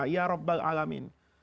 ya rabb al alamin